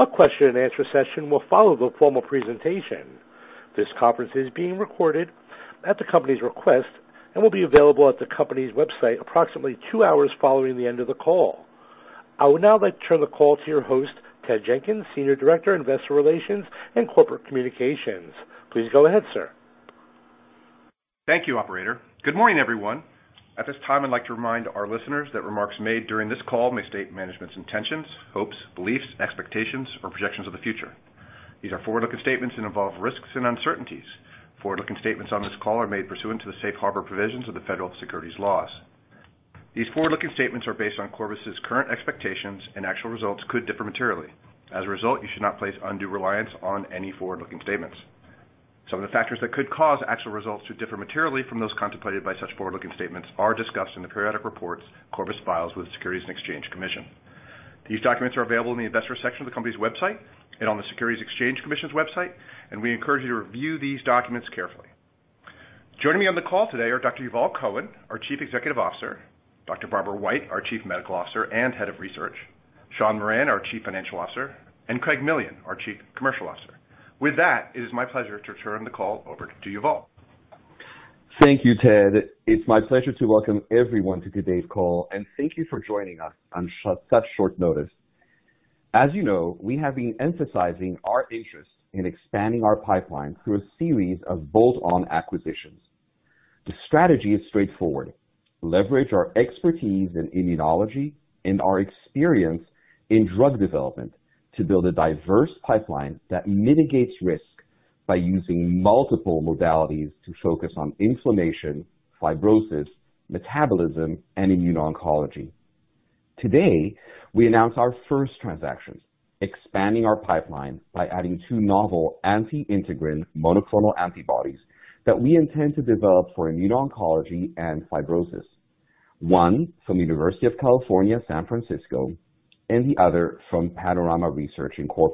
A question-and-answer session will follow the formal presentation. This conference is being recorded at the company's request and will be available at the company's website approximately two hours following the end of the call. I would now like to turn the call to your host, Ted Jenkins, Senior Director of Investor Relations and Corporate Communications. Please go ahead, sir. Thank you, operator. Good morning, everyone. At this time, I'd like to remind our listeners that remarks made during this call may state management's intentions, hopes, beliefs, expectations, or projections of the future. These are forward-looking statements that involve risks and uncertainties. Forward-looking statements on this call are made pursuant to the safe harbor provisions of the federal securities laws. These forward-looking statements are based on Corbus' current expectations and actual results could differ materially. As a result, you should not place undue reliance on any forward-looking statements. Some of the factors that could cause actual results to differ materially from those contemplated by such forward-looking statements are discussed in the periodic reports Corbus files with the Securities and Exchange Commission. These documents are available in the investor section of the company's website and on the Securities and Exchange Commission's website, and we encourage you to review these documents carefully. Joining me on the call today are Dr. Yuval Cohen, our Chief Executive Officer, Dr. Barbara White, our Chief Medical Officer and Head of Research, Sean Moran, our Chief Financial Officer, and Craig Millian, our Chief Commercial Officer. With that, it is my pleasure to turn the call over to Yuval. Thank you, Ted. It's my pleasure to welcome everyone to today's call. Thank you for joining us on such short notice. As you know, we have been emphasizing our interest in expanding our pipeline through a series of bolt-on acquisitions. The strategy is straightforward. Leverage our expertise in immunology and our experience in drug development to build a diverse pipeline that mitigates risk by using multiple modalities to focus on inflammation, fibrosis, metabolism, and immuno-oncology. Today, we announce our first transaction, expanding our pipeline by adding two novel anti-integrin monoclonal antibodies that we intend to develop for immuno-oncology and fibrosis, one from University of California, San Francisco, and the other from Panorama Research, Inc.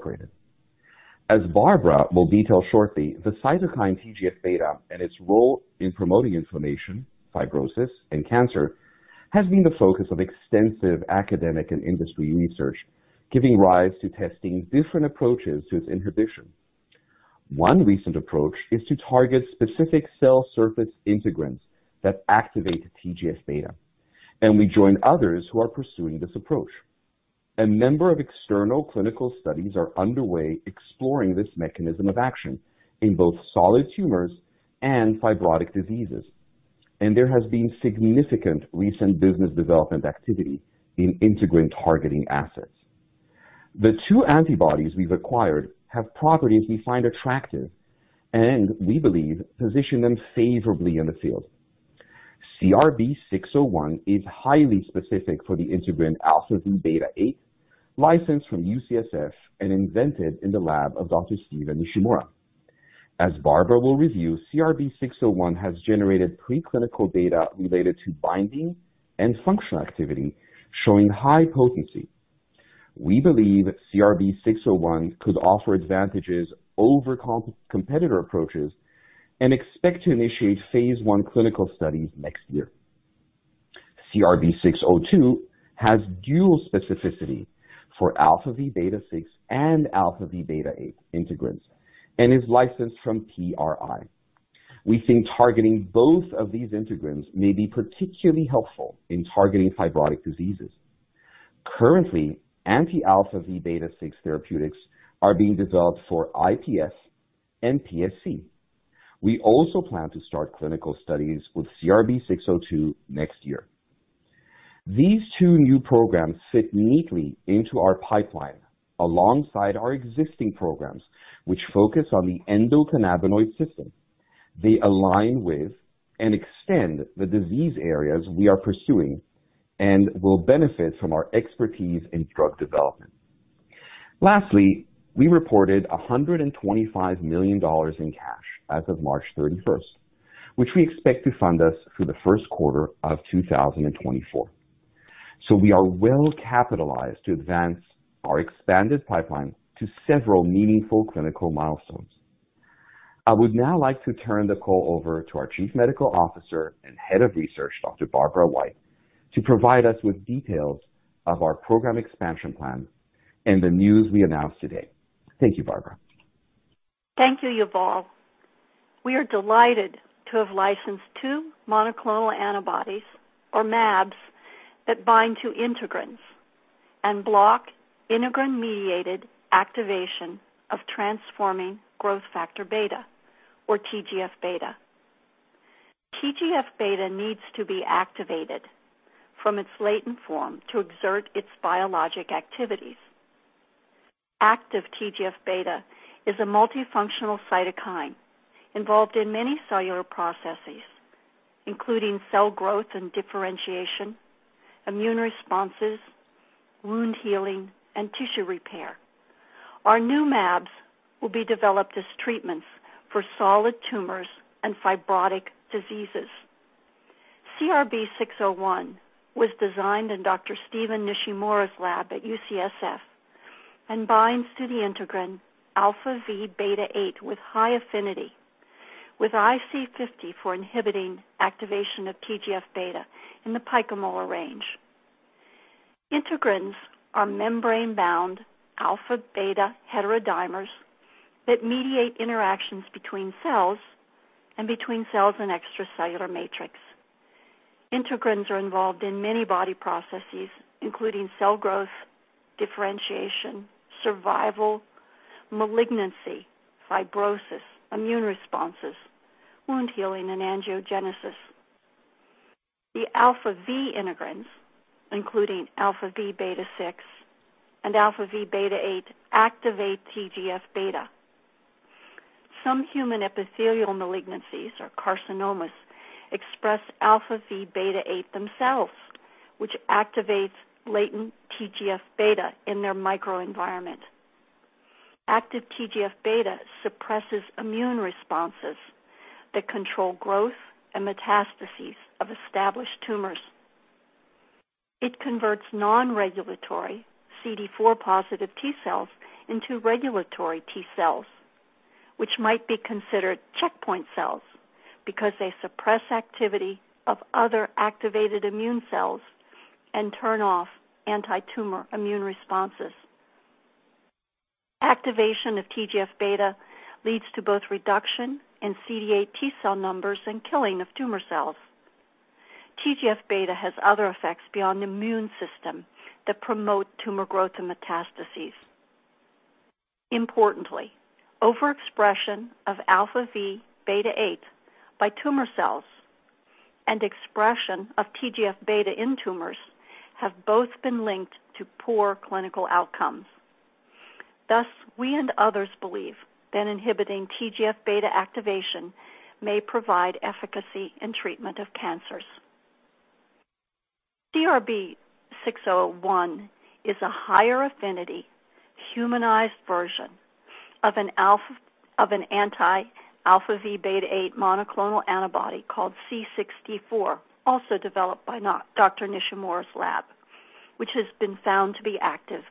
As Barbara will detail shortly, the cytokine TGFβ and its role in promoting inflammation, fibrosis, and cancer has been the focus of extensive academic and industry research, giving rise to testing different approaches to its inhibition. One recent approach is to target specific cell surface integrins that activate TGFβ, and we join others who are pursuing this approach. A number of external clinical studies are underway exploring this mechanism of action in both solid tumors and fibrotic diseases, and there has been significant recent business development activity in integrin-targeting assets. The two antibodies we've acquired have properties we find attractive and we believe position them favorably in the field. CRB-601 is highly specific for the integrin αvβ8 licensed from UCSF and invented in the lab of Dr. Stephen Nishimura. As Barbara will review, CRB-601 has generated preclinical data related to binding and functional activity, showing high potency. We believe CRB-601 could offer advantages over competitor approaches and expect to initiate phase I clinical studies next year. CRB-602 has dual specificity for αvβ6 and αvβ8 integrins and is licensed from PRI. We think targeting both of these integrins may be particularly helpful in targeting fibrotic diseases. Currently, anti-αvβ6 therapeutics are being developed for IPF and PSC. We also plan to start clinical studies with CRB-602 next year. These two new programs fit neatly into our pipeline alongside our existing programs, which focus on the endocannabinoid system. They align with and extend the disease areas we are pursuing and will benefit from our expertise in drug development. Lastly, we reported $125 million in cash as of March 31st, which we expect to fund us through the first quarter of 2024. We are well-capitalized to advance our expanded pipeline to several meaningful clinical milestones. I would now like to turn the call over to our Chief Medical Officer and Head of Research, Dr. Barbara White, to provide us with details of our program expansion plans and the news we announced today. Thank you, Barbara. Thank you, Yuval. We are delighted to have licensed two monoclonal antibodies, or mAbs, that bind to integrins and block integrin-mediated activation of transforming growth factor-beta, or TGFβ. TGFβ needs to be activated from its latent form to exert its biologic activities. Active TGFβ is a multifunctional cytokine involved in many cellular processes, including cell growth and differentiation, immune responses, wound healing, and tissue repair. Our new mAbs will be developed as treatments for solid tumors and fibrotic diseases. CRB-601 was designed in Dr. Stephen Nishimura's lab at UCSF and binds to the integrin αvβ8 with high affinity with IC50 for inhibiting activation of TGFβ in the picomolar range. Integrins are membrane-bound αβ heterodimers that mediate interactions between cells and between cells and extracellular matrix. Integrins are involved in many body processes, including cell growth, differentiation, survival, malignancy, fibrosis, immune responses, wound healing, and angiogenesis. The alpha V integrins, including αvβ6 and αvβ8, activate TGFβ. Some human epithelial malignancies or carcinomas express αvβ8 themselves, which activates latent TGFβ in their microenvironment. Active TGFβ suppresses immune responses that control growth and metastases of established tumors. It converts non-regulatory CD4+ T cells into regulatory T cells, which might be considered checkpoint cells because they suppress activity of other activated immune cells and turn off anti-tumor immune responses. Activation of TGFβ leads to both reduction in CD8 T cell numbers and killing of tumor cells. TGFβ has other effects beyond the immune system that promote tumor growth and metastases. Importantly, overexpression of αvβ8 by tumor cells and expression of TGFβ in tumors have both been linked to poor clinical outcomes. Thus, we and others believe that inhibiting TGFβ activation may provide efficacy in treatment of cancers. CRB-601 is a higher-affinity, humanized version of an anti-αvβ8 monoclonal antibody called C6D4, also developed by Dr. Nishimura's lab, which has been found to be active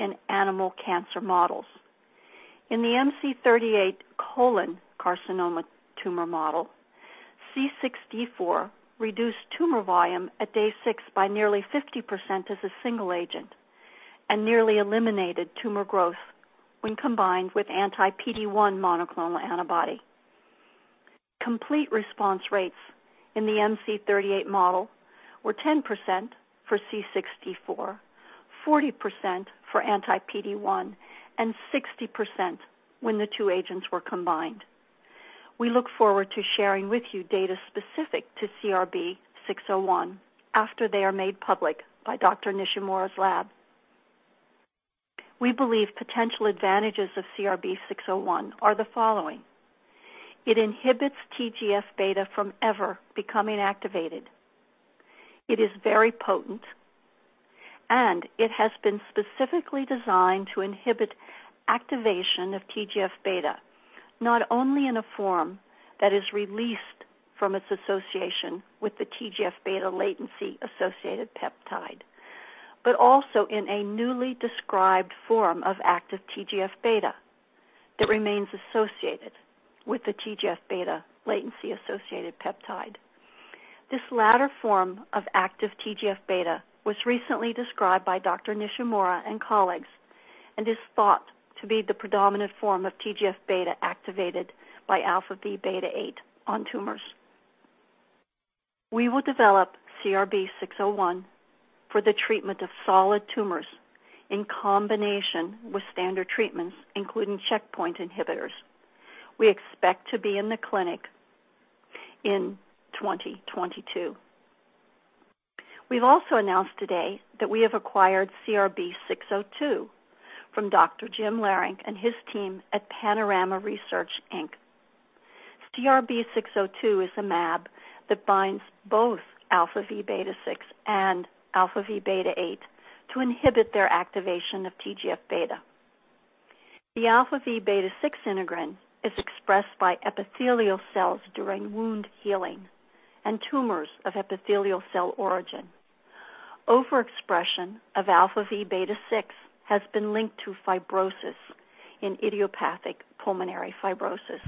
in animal cancer models. In the MC38 colon carcinoma tumor model, C6D4 reduced tumor volume at day 6 by nearly 50% as a single agent and nearly eliminated tumor growth when combined with anti-PD-1 monoclonal antibody. Complete response rates in the MC38 model were 10% for C6D4, 40% for anti-PD-1, and 60% when the two agents were combined. We look forward to sharing with you data specific to CRB-601 after they are made public by Dr. Nishimura's lab. We believe potential advantages of CRB-601 are the following. It inhibits TGFβ from ever becoming activated. It is very potent, and it has been specifically designed to inhibit activation of TGFβ, not only in a form that is released from its association with the TGFβ latency-associated peptide, but also in a newly described form of active TGFβ that remains associated with the TGFβ latency-associated peptide. This latter form of active TGFβ was recently described by Dr. Nishimura and colleagues and is thought to be the predominant form of TGFβ activated by αvβ8 on tumors. We will develop CRB-601 for the treatment of solid tumors in combination with standard treatments, including checkpoint inhibitors. We expect to be in the clinic in 2022. We've also announced today that we have acquired CRB-602 from Dr. James Larrick and his team at Panorama Research, Inc. CRB-602 is a mAb that binds both αvβ6 and αvβ8 to inhibit their activation of TGFβ. The αvβ6 integrin is expressed by epithelial cells during wound healing and tumors of epithelial cell origin. Overexpression of αvβ6 has been linked to fibrosis in idiopathic pulmonary fibrosis.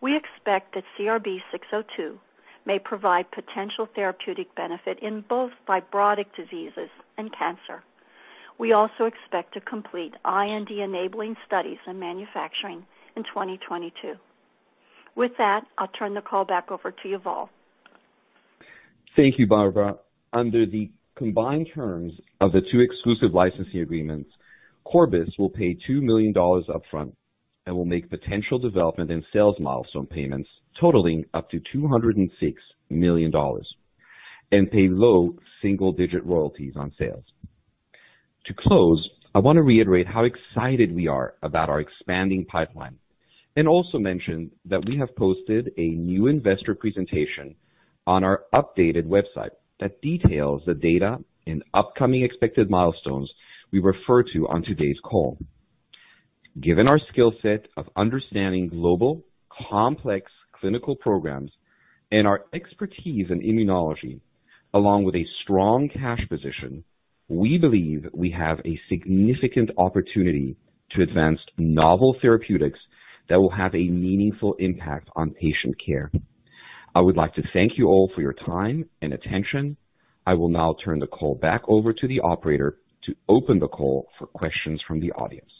We expect that CRB-602 may provide potential therapeutic benefit in both fibrotic diseases and cancer. We also expect to complete IND-enabling studies and manufacturing in 2022. With that, I'll turn the call back over to Yuval. Thank you, Barbara. Under the combined terms of the two exclusive licensing agreements, Corbus will pay $2 million upfront and will make potential development and sales milestone payments totaling up to $206 million and pay low single-digit royalties on sales. To close, I want to reiterate how excited we are about our expanding pipeline and also mention that we have posted a new investor presentation on our updated website that details the data and upcoming expected milestones we refer to on today's call. Given our skill set of understanding global, complex clinical programs and our expertise in immunology, along with a strong cash position, we believe we have a significant opportunity to advance novel therapeutics that will have a meaningful impact on patient care. I would like to thank you all for your time and attention. I will now turn the call back over to the operator to open the call for questions from the audience.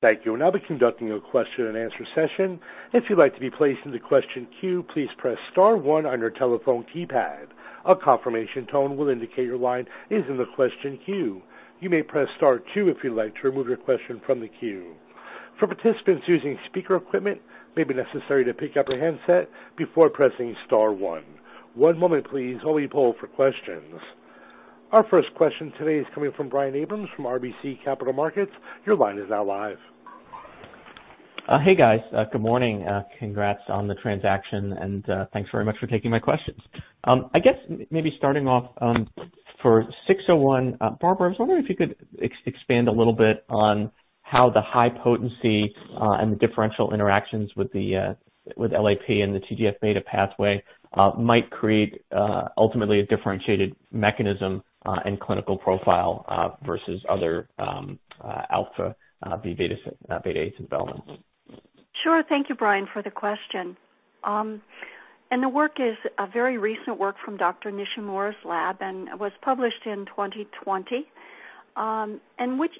Thank you. I'll be conducting a question-and-answer session. If you'd like to be placed in the question queue, please press star one on your telephone keypad. A confirmation tone will indicate your line is in the question queue. You may press star two if you'd like to remove your question from the queue. For participants using speaker equipment, it may be necessary to pick up a handset before pressing star one. One moment please while we poll for questions. Our first question today is coming from Brian Abrahams from RBC Capital Markets. Your line is now live. Hey, guys. Good morning. Congrats on the transaction, and thanks very much for taking my questions. I guess maybe starting off for CRB-601, Barbara, I was wondering if you could expand a little bit on how the high potency and differential interactions with LAP and the TGFβ pathway might create ultimately a differentiated mechanism and clinical profile versus other alpha V beta developments. Sure. Thank you, Brian, for the question. The work is a very recent work from Dr. Nishimura's lab and was published in 2020, in which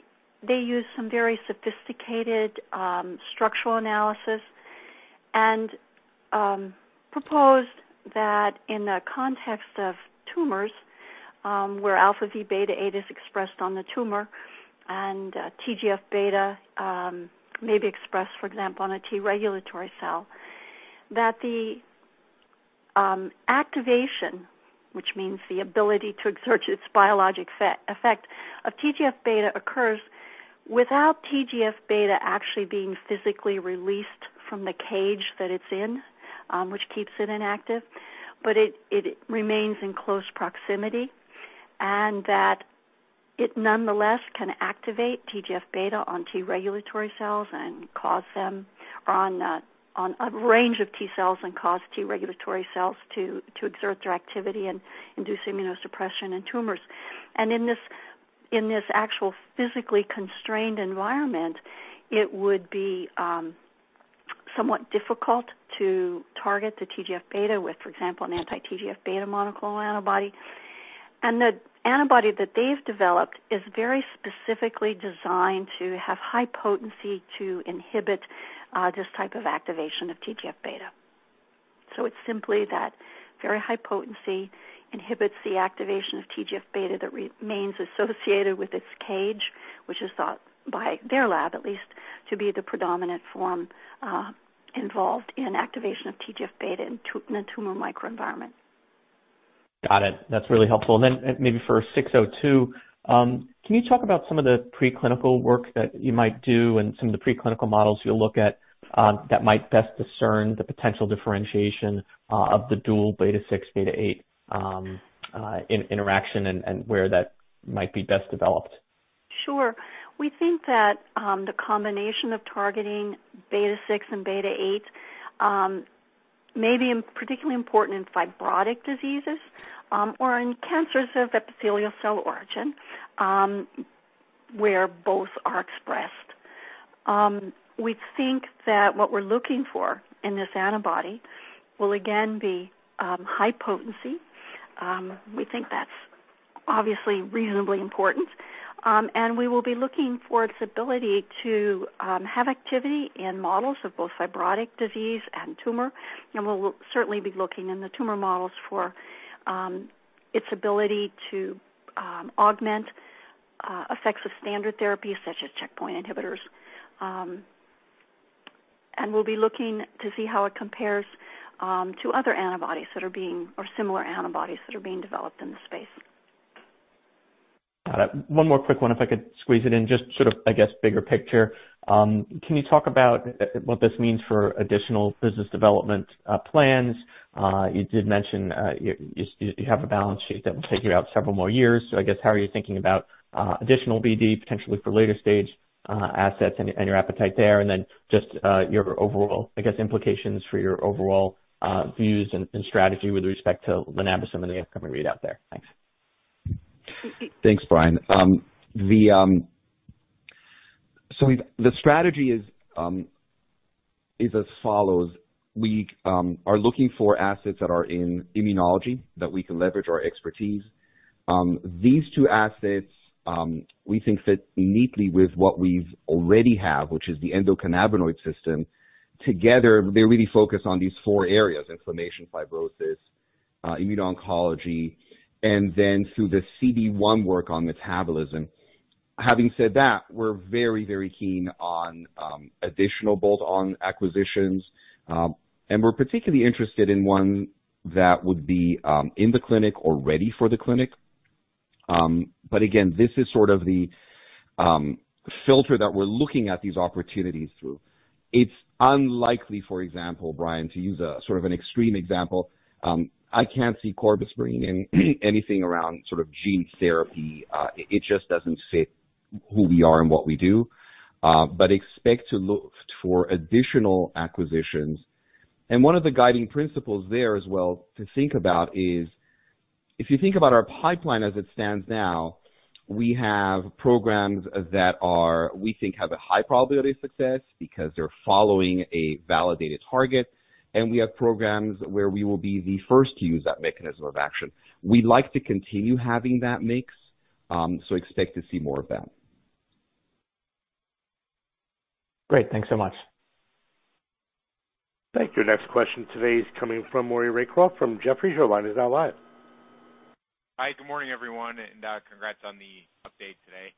they used some very sophisticated structural analysis and proposed that in the context of tumors, where αvβ8 is expressed on the tumor and TGFβ may be expressed, for example, on a T regulatory cell, that the activation, which means the ability to exert its biologic effect, of TGFβ occurs without TGFβ actually being physically released from the cage that it's in, which keeps it inactive. It remains in close proximity, and that it nonetheless can activate TGFβ on T regulatory cells and cause them on a range of T cells and cause T regulatory cells to exert their activity and induce immunosuppression and tumors. In this actual physically constrained environment, it would be somewhat difficult to target the TGFβ with, for example, an anti-TGFβ monoclonal antibody. The antibody that they've developed is very specifically designed to have high potency to inhibit this type of activation of TGFβ. It's simply that very high potency inhibits the activation of TGFβ that remains associated with its cage, which is thought by their lab at least, to be the predominant form involved in activation of TGFβ in the tumor microenvironment. Got it. That's really helpful. Maybe for CRB-602, can you talk about some of the preclinical work that you might do and some of the preclinical models you'll look at that might best discern the potential differentiation of the dual β6, β8 interaction and where that might be best developed? Sure. We think that the combination of targeting β6 and β8 may be particularly important in fibrotic diseases or in cancers of epithelial cell origin, where both are expressed. We think that what we're looking for in this antibody will again be high potency. We think that's obviously reasonably important, and we will be looking for its ability to have activity in models of both fibrotic disease and tumor. We'll certainly be looking in the tumor models for its ability to augment effects of standard therapy, such as checkpoint inhibitors. We'll be looking to see how it compares to other antibodies or similar antibodies that are being developed in the space. Got it. One more quick one, if I could squeeze it in. Just sort of, I guess, bigger picture. Can you talk about what this means for additional business development plans? You did mention you have a balance sheet that will take you out several more years. I guess, how are you thinking about additional BD potentially for later stage assets and your appetite there? Just your overall, I guess, implications for your overall views and strategy with respect to the landscape that we have coming out there. Thanks. Thanks, Brian. The strategy is as follows. We are looking for assets that are in immunology that we can leverage our expertise. These two assets we think fit uniquely with what we already have, which is the endocannabinoid system. Together, they really focus on these four areas, inflammation, fibrosis, immuno-oncology, and then through the CB1 work on metabolism. Having said that, we're very keen on additional bolt-on acquisitions, and we're particularly interested in one that would be in the clinic or ready for the clinic. Again, this is sort of the filter that we're looking at these opportunities through. It's unlikely, for example, Brian, to use a sort of an extreme example, I can't see Corbus bringing anything around sort of gene therapy. It just doesn't fit who we are and what we do, but expect to look for additional acquisitions. One of the guiding principles there as well to think about is, if you think about our pipeline as it stands now, we have programs that we think have a high probability of success because they're following a validated target, and we have programs where we will be the first to use that mechanism of action. We like to continue having that mix. Expect to see more of that. Great. Thanks so much. Thank you. Next question today is coming from Maury Raycroft from Jefferies. Your line is now live. Hi, good morning, everyone, and congrats on the update today.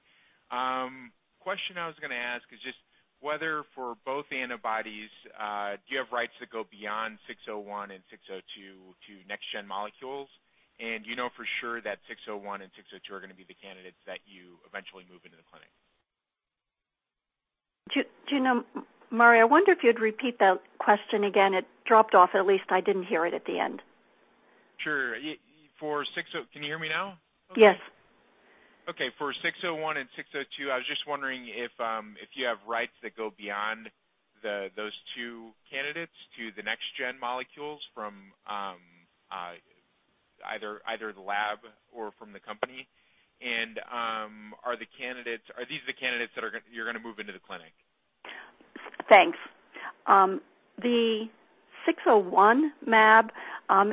Question I was going to ask is just whether for both antibodies, do you have rights that go beyond 601 and 602 to next-gen molecules? Do you know for sure that 601 and 602 are going to be the candidates that you eventually move into the clinic? Do you know, Maury, I wonder if you'd repeat that question again. It dropped off, at least I didn't hear it at the end. Sure. Can you hear me now? Yes. Okay. For 601 and 602, I was just wondering if you have rights that go beyond those two candidates to the next-gen molecules from either the lab or from the company, and are these the candidates that you're going to move into the clinic? Thanks. The 601 mAb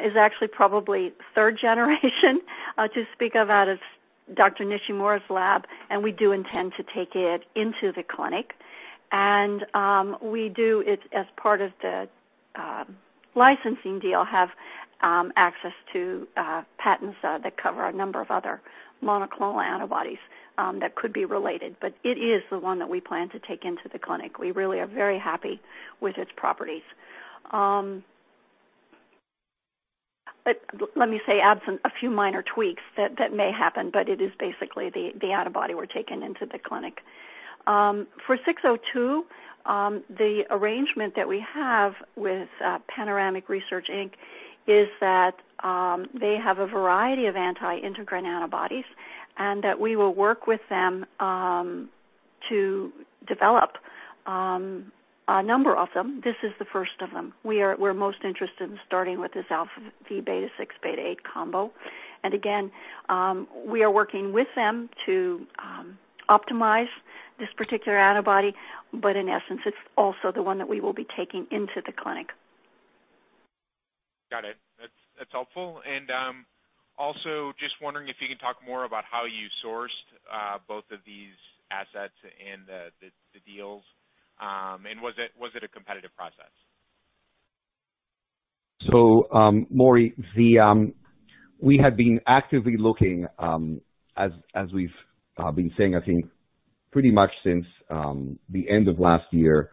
is actually probably 3rd generation to speak of out of Dr. Nishimura's lab. We do intend to take it into the clinic. We do, as part of the licensing deal, have access to patents that cover a number of other monoclonal antibodies that could be related. It is the one that we plan to take into the clinic. We really are very happy with its properties. Let me say absent a few minor tweaks that may happen. It is basically the antibody we're taking into the clinic. For 602, the arrangement that we have with Panorama Research Inc. is that they have a variety of anti-integrin antibodies and that we will work with them to develop a number of them. This is the first of them. We're most interested in starting with this αvβ6 β8 combo. Again, we are working with them to optimize this particular antibody, but in essence, it's also the one that we will be taking into the clinic. Got it. That's helpful. Also just wondering if you can talk more about how you sourced both of these assets and the deals, and was it a competitive process? Maury, we have been actively looking, as we've been saying, I think pretty much since the end of last year.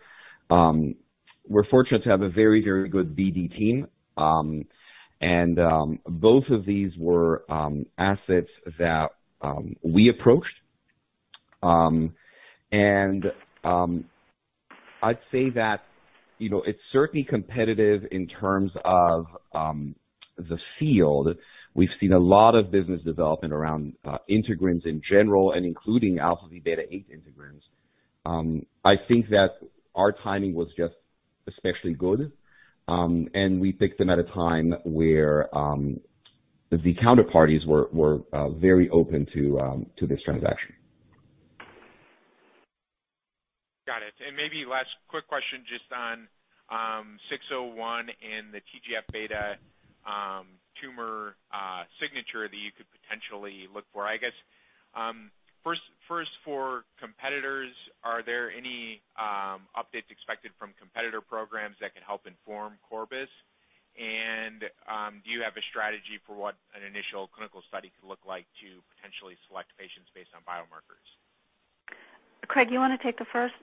We're fortunate to have a very, very good BD team, and both of these were assets that we approached. I'd say that it's certainly competitive in terms of the field. We've seen a lot of business development around integrins in general and including αvβ8 integrins. I think that our timing was just especially good, and we picked them at a time where the counterparties were very open to this transaction. Got it. Maybe last quick question just on 601 and the TGFβ tumor signature that you could potentially look for, I guess. First for competitors, are there any updates expected from competitor programs that could help inform Corbus? Do you have a strategy for what an initial clinical study could look like to potentially select patients based on biomarkers? Craig, you want to take the first?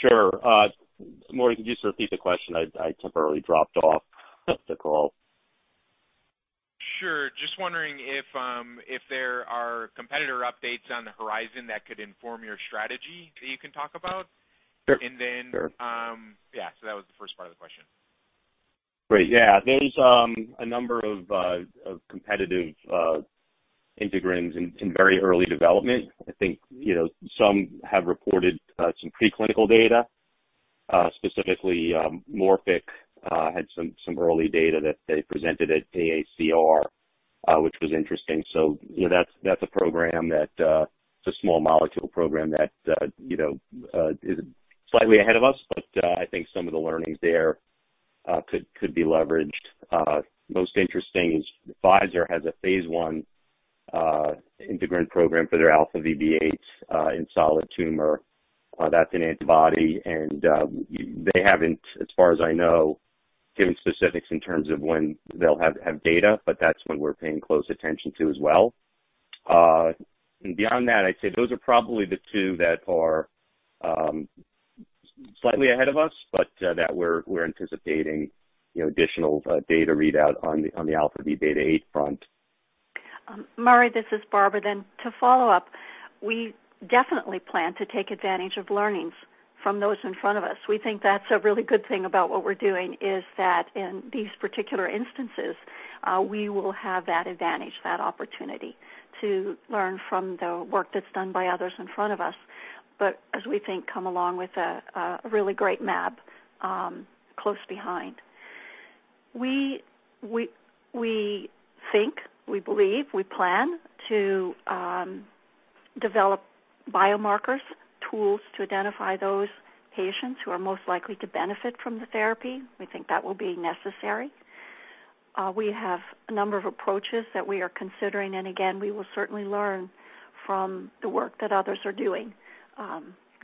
Sure. Maury, can you just repeat the question? I temporarily dropped off the call. Sure. Just wondering if there are competitor updates on the horizon that could inform your strategy that you can talk about. Sure. Yeah, that was the first part of the question. Great. Yeah. There's a number of competitive integrins in very early development. I think some have reported some preclinical data. Specifically, Morphic had some early data that they presented at AACR, which was interesting. That's a small molecule program that is slightly ahead of us, but I think some of the learnings there could be leveraged. Most interesting is Pfizer has a phase I integrin program for their αvβ8 in solid tumor. That's an antibody, and they haven't, as far as I know, given specifics in terms of when they'll have data, but that's one we're paying close attention to as well. Beyond that, I'd say those are probably the two that are slightly ahead of us, but that we're anticipating additional data readout on the αvβ8 front. Maury, this is Barbara then. We definitely plan to take advantage of learnings from those in front of us. We think that's a really good thing about what we're doing is that in these particular instances, we will have that advantage, that opportunity to learn from the work that's done by others in front of us, as we think come along with a really great mAb close behind. We think, we believe, we plan to develop biomarkers, tools to identify those patients who are most likely to benefit from the therapy. We think that will be necessary. We have a number of approaches that we are considering, again, we will certainly learn from the work that others are doing.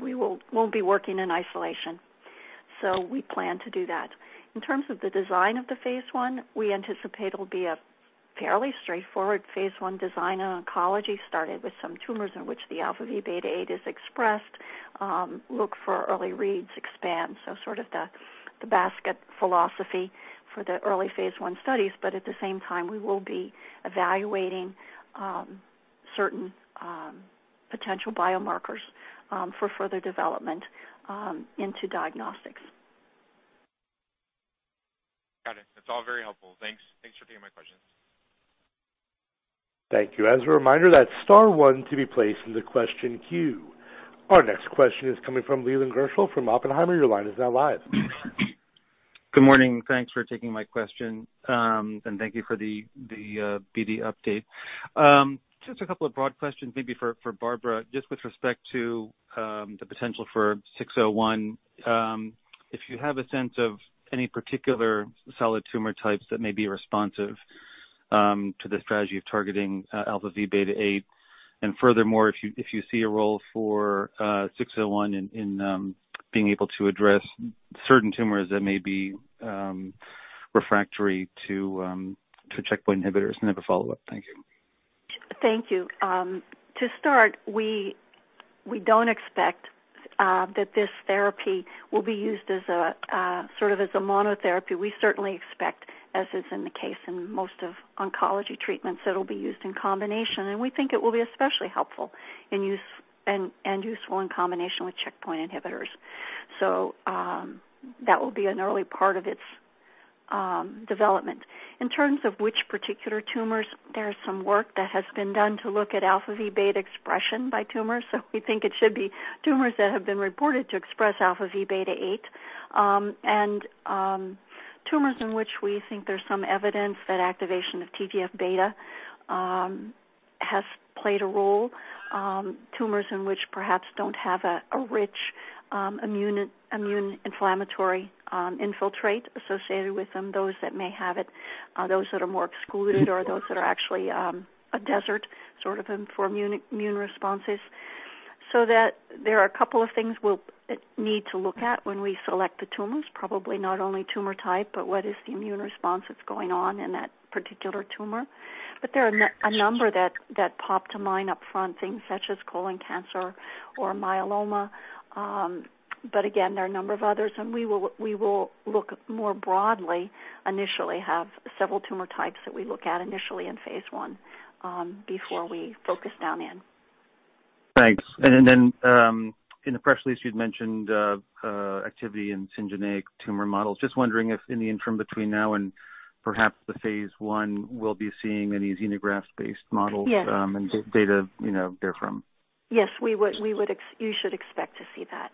We won't be working in isolation. We plan to do that. In terms of the design of the phase I, we anticipate it'll be a fairly straightforward phase I design in oncology, starting with some tumors in which the αvβ8 is expressed, look for early reads, expand. Sort of the basket philosophy for the early phase I studies. At the same time, we will be evaluating certain potential biomarkers for further development into diagnostics. Got it. That's all very helpful. Thanks for taking my questions. Thank you. As a reminder, that's star one to be placed into question queue. Our next question is coming from Leland Gershell from Oppenheimer. Your line is now live. Good morning. Thanks for taking my question, and thank you for the BD update. Just a couple of broad questions maybe for Barbara, just with respect to the potential for 601. If you have a sense of any particular solid tumor types that may be responsive to the strategy of targeting αvβ8, and furthermore, if you see a role for 601 in being able to address certain tumors that may be refractory to checkpoint inhibitors and have a follow-up. Thank you. Thank you. To start, we don't expect that this therapy will be used as a monotherapy. We certainly expect, as is in the case in most of oncology treatments, that it'll be used in combination, and we think it will be especially helpful and useful in combination with checkpoint inhibitors. That will be an early part of its development. In terms of which particular tumors, there's some work that has been done to look at alpha V beta expression by tumors. We think it should be tumors that have been reported to express αvβ8, and tumors in which we think there's some evidence that activation of TGFβ has played a role, tumors in which perhaps don't have a rich immune inflammatory infiltrate associated with them, those that may have it, those that are more excluded or those that are actually a desert sort of immune responses. There are a couple of things we'll need to look at when we select the tumors, probably not only tumor type, but what is the immune response that's going on in that particular tumor. There are a number that pop to mind upfront, things such as colon cancer or melanoma. Again, there are a number of others, and we will look more broadly initially, have several tumor types that we look at initially in phase I before we focus down in. Thanks. In the press release, you'd mentioned activity in syngeneic tumor models. Just wondering if in the interim between now and perhaps the phase I, we'll be seeing any xenograft-based models? Yes. Data different. Yes. We should expect to see that.